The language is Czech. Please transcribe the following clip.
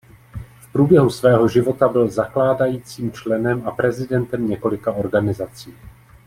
V průběhu svého života byl zakládajícím členem a prezidentem několika organizací.